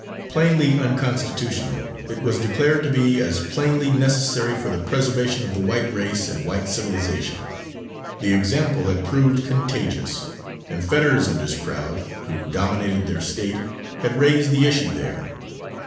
Plainly unconstitutional, it was declared to be as plainly necessary for the preservation of the white race and white civilisation. The example had proved contagious, and Fetters and his crowd, who dominated their State, had raised the issue there.